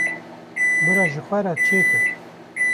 bira ji xwe re çê kin.